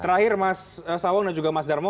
terakhir mas sawong dan juga mas darmo